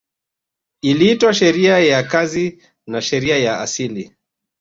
Iliitwa sheria ya kazi na sheria ya asili